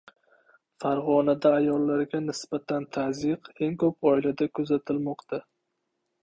Farg‘onada ayollarga nisbatan tazyiq eng ko‘p oilada kuzatilmoqda